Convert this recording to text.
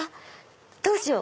どうしよう？